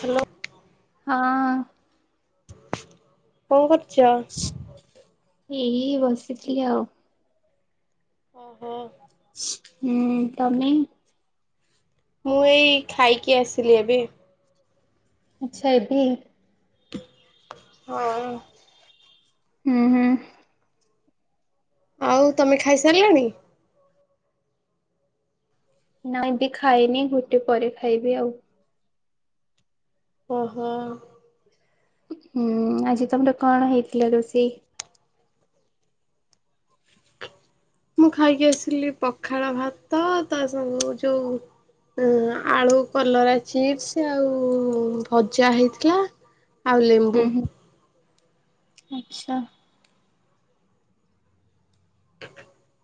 Hello. ହଁ। କଣ କରୁଛ? ଏଇ ବସିଥିଲି ଆଉ। ଓହୋ। ହୁଁ ତମେ। ମୁଁ ଏଇ ଖାଇକି ଆସିଲି ଏବେ। ଆଚ୍ଛା ଏ ଭି। ହଁ। ହୁଁ ହୁଁ। ଆଉ ତମେ ଖାଇସାରିଲଣି? ନାଇଁ ଏବେ ଖାଇନି ଗୋଟେ ପରେ ଖାଇବି ଆଉ। ଓହୋ। ହୁଁ। ଆଜି ତମର କଣ ହେଇଥିଲା ରୋଷେଇ? ମୁଁ ଖାଇକି ଆସିଲି ପଖାଳ ଭାତ ତା ସବୁ ଯୋଉ। ଅଁ ଆଳୁ, କଲରା ଚିପ୍ସ ଆଉ ଭଜା ହେଇଥିଲା। ଆଉ ହୁଁ ଲେମ୍ବୁ। ହୁଁ ଆଚ୍ଛା। [inaudible]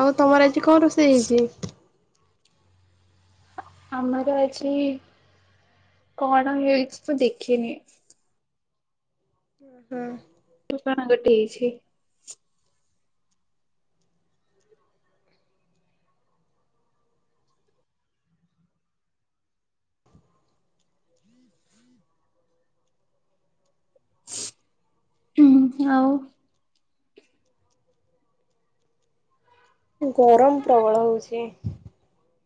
ଆଉ ତମର ଆଜି କଣ ରୋଷେଇ ହେଇଛି? ଆମର ଆଜି କଣ ହେଇଛି ମୁଁ ଦେଖିନି। ହୁଁ। କଣ ଗୋଟେ ହେଇଛି। ହୁଁ ଆଉ। ଗରମ ପ୍ରବଳ ହଉଛି।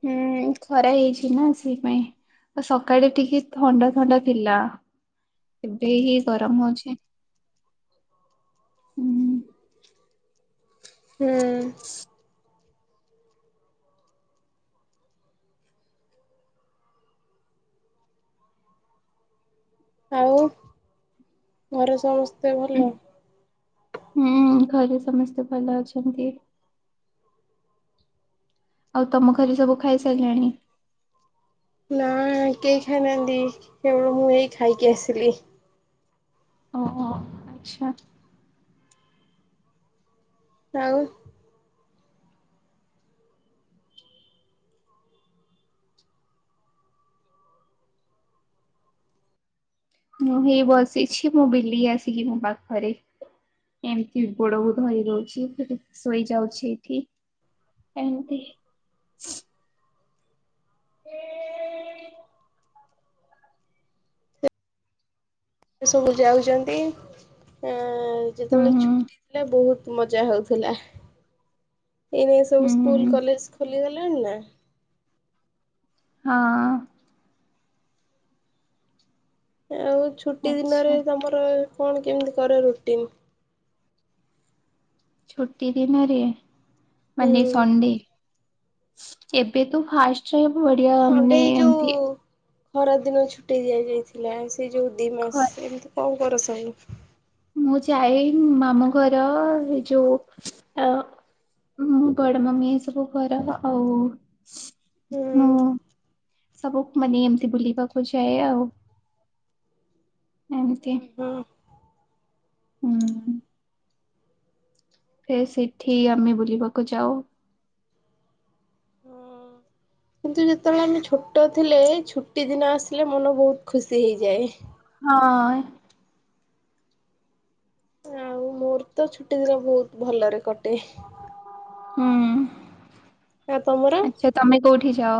ହୁଁ ଖରା ହେଇଛି ନା ସେଇପାଇଁ। ଆଉ ସକାଳେ ଟିକେ ଥଣ୍ଡା ଥଣ୍ଡା ଥିଲା ଏବେ ହି ଗରମ ହଉଛି। ହୁଁ ହୁଁ। ଆଉ ଘରେ ସମସ୍ତେ ଭଲ। ହୁଁ ଘରେ ସମସ୍ତେ ଭଲ ଅଛନ୍ତି। ଆଉ ତମ ଘରେ ସବୁ ଖାଇସାରିଲେଣି? ନା କେହି ଖାଇନାହାନ୍ତି କେବଳ ମୁଁ ଏଇ ଖାଇକି ଆସିଲି। ଓହୋ ଆଚ୍ଛା। ଆଉ। ମୁଁ ହେଇ ବସିଛି ମୋ ବିଲି ଆସିକି ମୋ ପାଖରେ। ଏମିତି ଗୋଡ କୁ ଧରି ରହୁଛି ହୁଁ ହୁଁ ଶୋଇଯାଉଛି ଏଠି। ଏମିତି। ହ ସବୁ ଯାଉଛନ୍ତି ଆଁ ହୁଁ ଯେତେବେଳେ ହୁଁ ଛୁଟି ଥିଲା ବହୁ ମଜା ହଉଥିଲା ଏଇନେ ହୁଁ ସବୁ ହୁଁ ସ୍କୁଲ କଲେଜ ଖୋଲିଗଲାଣି ନା। ହଁ। ଆଉ ଛୁଟି ଆଚ୍ଛା। ଦିନରେ ତମର କଣ କେମିତି କର ରୁଟିନ? ଛୁଟି ଦିନରେ ହୁଁ ମାନେ ସଣ୍ଡେ। ଏବେ ତ ଫାର୍ଷ୍ଟରେ ବଢିଆ ମାନେ ଏମିତି। ଖରାଦିନ ଛୁଟି ଦିଆଯାଇଥିଲା ସେଇ ଯୋଉ ଦି ଘ ମାସ ଏମିତି କଣ କର ସବୁ। ମୁଁ ଯାଏ ମାମୁଁ ଘର ଏ ଯୋଉ ଆ ଆଉ ମୁଁ ବଡ ମାମି ଏ ସବୁ ଘର ଆଉ। ହୁଁ ହଁ ସବୁ ମାନେ ଏମିତି ବୁଲିବାକୁ ଯାଏ ଆଉ। ନା ଏମିତି। ହଁ ହୁଁ ହୁଁ। ଫେର ସେଠି ଆମେ ବୁଲିବାକୁ ଯାଉ। ହଁ। [inaudible] କିନ୍ତୁ ଯେତେବେଳେ ଆମେ ଛୋଟ ଥିଲେ ଛୁଟି ଦିନ ଆସିଲେ ମନ ବହୁତ ଖୁସି ହେଇଯାଏ। ହଁ। ଆଉ ମୋର ତ ଛୁଟି ଦିନ ବହୁତ ଭଲରେ କଟେ। ହୁଁ। ଆ ତମର? ଆଚ୍ଛା ତମେ କୋଉଠି ଯାଅ?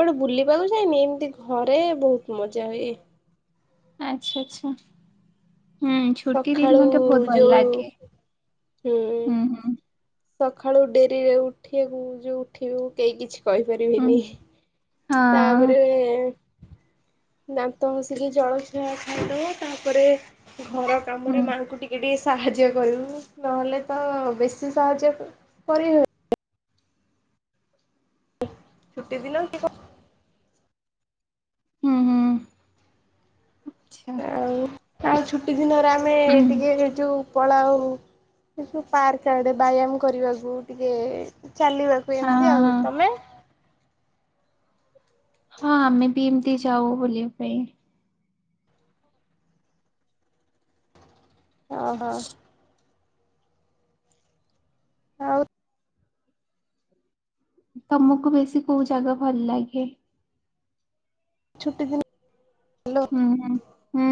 କୁଆଡେ ବୁଲିବାକୁ ଯାଇନି ଏମିତି ଘରେ ବହୁତ ମଜା ହୁଏ। ଆଚ୍ଛା ଆଚ୍ଛା। ହୁଁ ଛୁଟି ସକାଳୁ ଦିନ ତେ ବହୁତ ଭଲ ଯୋଉ ଲାଗେ ହୁଁ ହୁଁ। ସକାଳୁ ଡେରିରେ ଉଠିଆକୁ ଯଉ ଉଠିବୁ କେହି କିଛି ହୁଁ କହିପାରିବିନି। ହଁ ତାପରେ ଦାନ୍ତ ହସିକି ଜଳଖିଆ ଖାଇଦବ ତାପରେ ଘର ହୁଁ କାମରେ ମାଆଙ୍କୁ ଟିକେ ଟିକେ ସାହାଯ୍ୟ କରିବୁ ନହେଲେ ତ ବେଶୀ ସାହାଯ୍ୟ କ କରିିହ ଛୁଟି ଦିନ କି କ ହୁଁ ହୁଁ ଆଚ୍ଛା ଆଉ ଆଉ ଛୁଟି ଦିନରେ ଆମେ ହୁଁ ଟିକେ ହେଇ ଯଉ ପଳାଉ ଏ ସବୁ ପାର୍କ ଆଡେ ବ୍ୟାୟାମ କରିବାକୁ ଟିକେ ଚାଲିବାକୁ ହଁ ଏମିତି ଆଉ ହଁ ତମେ? ହଁ ଆମେ ବି ଏମତି ଯାଉ ବୁଲିବା ପାଇଁ। ଓହୋ। ଆଉ ତମକୁ ବେଶୀ କୋଉ ଜାଗା ଭଲ ଲାଗେ? ଛୁଟି ଦିନ ହାଲୋ ହୁଁ ହୁଁ।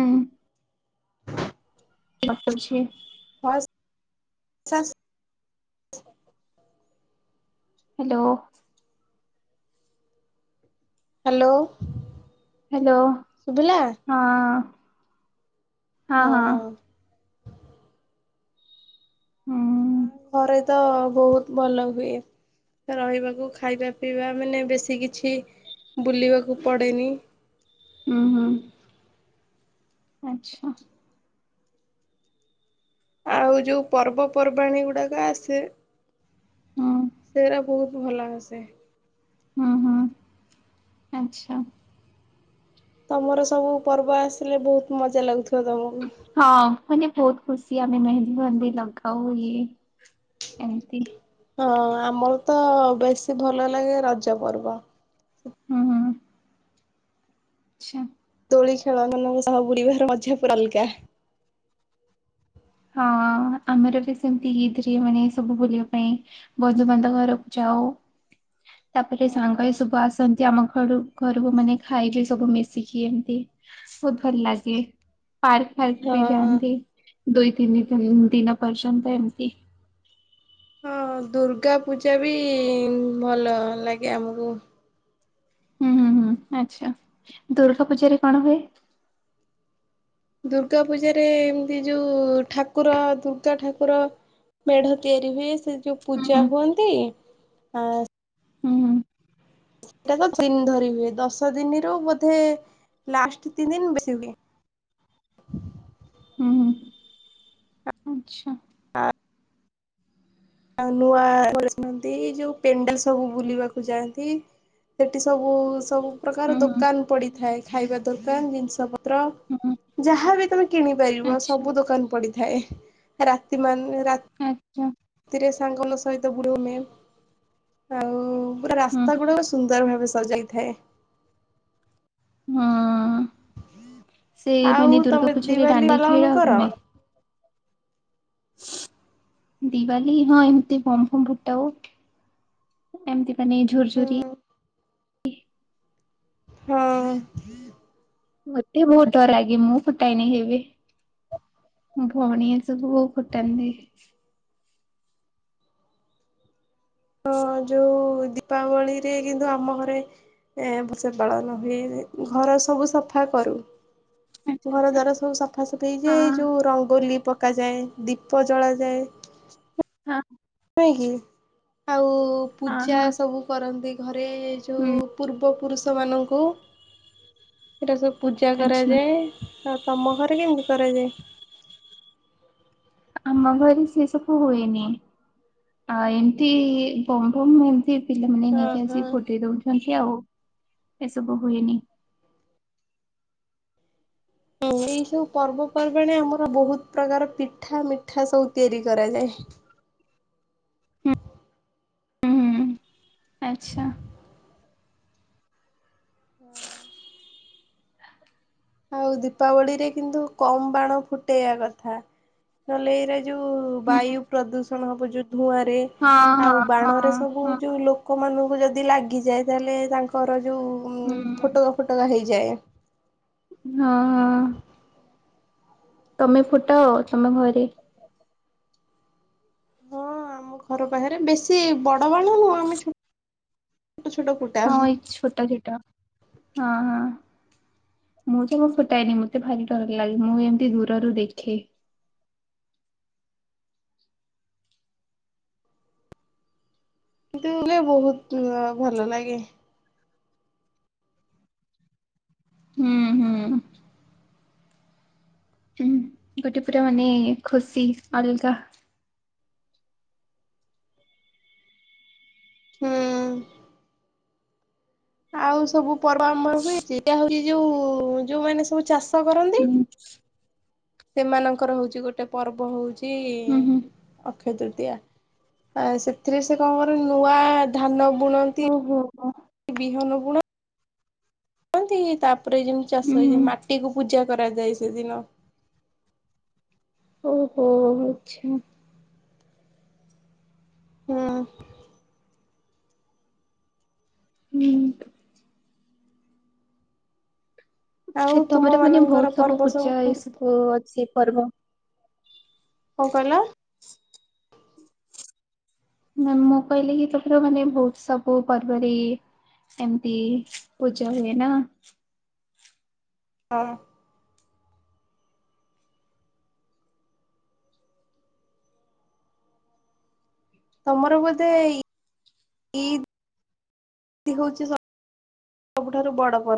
[unintelligible] [unintelligible] ହାଲୋ। ହାଲୋ। ହାଲୋ ହଁ। ହଁ। ହଁ। ଘରେ ତ ବହୁତ ଭଲ ହୁଏ। ରହିବାକୁ ଖାଇବା ପିଇବା ମାନେ ବେଶୀ କିଛି ବୁଲିବାକୁ ପଡ଼େନି। ହୁଁ ହୁଁ ଆଚ୍ଛା। ଆଉ ଯୋଉ ପର୍ବପର୍ବାଣି ଗୁଡାକ ଆସେ ହୁଁ ସେରା ବହୁତ ଭଲ ଆସେ। ହୁଁ ହୁଁ ଆଚ୍ଛା। ତମର ସବୁ ପର୍ବ ଆସିଲେ ବହୁତ ମଜା ଲାଗୁଥିବ ତମକୁ ହଁ ମାନେ ବହୁତ ଖୁସି ଆମେ ମେହେନ୍ଦୀ ଫେହେନ୍ଦି ଲଗାଉ ଇଏ ଏମିତି ହଁ ଆମର ତ ବେଶୀ ଭଲ ଲାଗେ ରଜ ପର୍ବ। ହୁଁ ହୁଁ ହୁଁ। ଆଚ୍ଛା। ଦୋଳି ଖେଳମାନଙ୍କ ସହ ବୁଲିବା ମଜା ପୁରା ଅଲଗା। ହଁ ଆମର ବି ସେମତି ଇଥି ମାନେ ସବୁ ବୁଲିବା ପାଇଁ। ବନ୍ଧୁବାନ୍ଧବ ଘରକୁ ଯାଉ। ତାପରେ ହଁ। ସାଙ୍ଗ ହେଇ ସବୁ ଆସନ୍ତି ଆମ ଘରୁ ଘରକୁ ମାନେ ଖାଇକି ସବୁ ମିଶିକି ଏମିତି ବହୁତ ଭଲ ଲାଗେ ପାର୍କ ଫାର୍କ ବି ହଁ ଯାଆନ୍ତି। ଦୁଇ ତିନି ଦିନ ପର୍ଯ୍ୟନ୍ତ ଏମତି। ହଁ ଦୁର୍ଗା ପୂଜା ବି ଭଲ ଲାଗେ ଆମକୁ। ହୁଁ ହୁଁ ହୁଁ ଆଚ୍ଛା ଦୁର୍ଗା ପୂଜାରେ କଣ ହୁଏ? ଦୁର୍ଗା ପୂଜାରେ ଏମତି ଯୋଉ ଠାକୁର ଦୁର୍ଗା ଠାକୁର ମେଢ଼ ତିଆରି ହୁଏ ସେ ଯୋଉ ହୁଁ ପୂଜା ହୁଁ ହୁଅନ୍ତି ଆ ହୁଁ। ସେଟା ତ ଦିନ ଧରି ହୁଏ ଦଶ ଦିନିରୁ ବୋଧେ ଲାଷ୍ଟ ତିନି ଦିନ ବେଶୀ ହୁଏ। ହୁଁ ହୁଁ ହୁଁ ଆଚ୍ଛା ଆ ଆଉ ନୂଆ ଡ୍ରେସ୍ ପିନ୍ଧି ଯୋଉ ପେଣ୍ଡାଲ ସବୁ ବୁଲିବାକୁ ଯାଆନ୍ତି। ସେଠି ସବୁ ସବୁ ପ୍ରକାର ହୁଁ ହୁଁ ଦୋକାନ ପଡ଼ିଥାଏ ଖାଇବା ଦୋକାନ ଜିନିଷ ପତ୍ର। ହୁଁ ହୁଁ। ଯାହାବି ତମେ କିଣି ପାରିବ ଆଚ୍ଛା ସବୁ ଦୋକାନ ପଡ଼ିଥାଏ ରାତି ମାନ୍ ରା [unintelligible] ଥିରେ ସାଙ୍ଗଲ ସହିତ ବୁଲୁଆମେ। ଆଉ ପୁରା ହୁଁ ରାସ୍ତା ଗୁଡ଼ାକ ସୁନ୍ଦର ଭାବେ ସଜାହେଇଥାଏ। ହୁଁ ସେଇ ମାନେ ଆଉ ଦୁର୍ଗା ତମେ ପୂଜାରେ ଦିିବାଲି ଦାଣ୍ଡି ପାଲନ ଖେଳ କର? ହୁଏ। ଦିିବାଲୀ ହଁ ଏମତି ବମ୍ ଫମ୍ ଫୁଟାଉ। ଏମିତି ମାନେ ଝୁର୍ ହୁଁ ଝୁରି ହଁ। ମତେ ବହୁତ ଡର ଲାଗେ ମୁଁ ଫୁଟାଏନି କେବେ ମୋ ଭଉଣୀ ସୁବୁ ଫୁଟାନ୍ତି। ହଁ ଯୋଉ ଦୀପାବଳି ରେ କିନ୍ତୁ ଆମ ଘରେ ଏ ବର୍ଷ ପାଳନ ହୁଏ ଘର ସବୁ ସଫା କରୁ ଆଚ୍ଛା ଘର ଦ୍ୱାର ସବୁ ସଫାସଫି ହେଇଯାଏ ହଁ ଯୋଉ ରଙ୍ଗୋଲି ପକାଯାଏ ଦ୍ୱୀପ ଜଳାଯାଏ। ହଁ ହଁ। ଆଉ ହଁ ପୂଜା ହଁ ସବୁ କରନ୍ତି ଘରେ ଏ ଯୋଉ ହୁଁ ପୂର୍ବ ପୁରୁଷମାନଙ୍କୁ ଏଇଟା ସବୁ ପୂଜା ଆଚ୍ଛା କରାଯାଏ। ଆଉ ତମ ଘରେ କେମିତି କରାଯାଏ? ଆମ ଘରେ ସିଏ ସବୁ ହୁଏନି। ଆ ଏମତି ବମ୍ ବମ୍ ଏମତି ପିଲାମାନେ ନେଇକି ଓହୋ। ଆସିକି ଫଟେଇ ଦଉଛନ୍ତି ଆଉ ଏସବୁ ହୁଏନି। ହୁଁ ଲି ଏଇ ସବୁ ପର୍ବପର୍ବାଣି ଆମର ବହୁତ ପ୍ରକାର ପିଠା ମିଠା ସବୁ ତିଆରି କରାଯାଏ। ଆଚ୍ଛା। ହଁ। ଆଉ ଦୀପାବଳିରେ କିନ୍ତୁ କମ ବାଣ ଫୁଟେଇଆ କଥା ନହେଲେ ଏଇରା ଯୋଉ ହଁ ବାୟୁ ପ୍ରଦୂଷଣ ହବ ଯୋଉ ଧୂଆଁ ରେ ହଁ ଆଉ ହଁ ବାଣରେ ସବୁ ହଁ ଯୋଉ ଲୋ କମାନଙ୍କୁ ଯଦି ଲାଗିଯାଏ ତାହେଲେ ତାଙ୍କର ଯଉ ହୁଁ। ଫୋଟକା ଫୋଟକା ହଇଯାଏ। ହଁ ହଁ। ତମେ ଫୁଟାଅ ତମେ ଘରେ? ହଁ ଆମ ଘର ବାହାରେ ବେଶୀ ବଡ଼ ବାଣ ନୁହଁ ଆମେ ଛୋଟ ଛୋଟ ଫୁ ହଁ ଏଇ ଛୋଟ ଛୋଟା ହଁ ହଁ। ମୁଁ ଜମା ଫୁଟାଏନି ମତେ ଭାରି ଡର ଲାଗେ ମୁଁ ଏମିତି ଦୂରରୁ ଦେଖେ କିନ୍ତୁ ବଲେ ବହୁତ ଭଲ ଲାଗେ। ହୁଁ ହୁଁ। ହୁଁ ଗୋଟେ ପୁରା ମାନେ ଖୁସି ଅଲଗା। ହୁଁ। ଆଉ ସବୁ ପର୍ବ ଆମର ହୁଉଛି ଏଟା ହଉଛି ଯୋଉ ଯୋଉମାନେ ସବୁ ଚାଷ କରନ୍ତି ହୁଁ ସେମାନଙ୍କର ହଉଚି ଗୋଟେ ପର୍ବ ହଉଚି ହୁଁ ହୁଁ। ଅକ୍ଷୟ ତୃତୀୟା ଆ ସେଥିରେ ସେ କଣ କରନ୍ତି ନୂଆ ଧାନ ବୁଣନ୍ତି। ଓହୋ ହ ବିହନ ବୁଣ ଣନ୍ତି ତାପରେ ଯେମତି ଚାଷ ହୁଁ ହେଇଯାଏ ମାଟିକୁ ପୂଜା କରାଯାଏ ସେଦିନ ଓହୋ ଆଚ୍ଛା। ହଁ। ହୁଁ। ଆଉ ସେ ତୁମ ତମରେ ମାନେ ମାନଙ୍କର ବହୁତ ସବୁ ପର୍ବ ପୂଜା ଏ କେମିତି ସବୁ ଅଛି ପର୍ବ। କଣ କହିଲ? ମ ମୁଁ କହିଲି କି ତୋମର ମାନେ ବହୁତ୍ ସବୁ ପର୍ବରେ ଏମତି ପୂଜା ହୁଏ ନା। ହଁ। ତମର ବୋଧେ ଇଦ୍ ହଉଛି ସବୁଠାରୁ ବଡ଼ ପର୍ବ।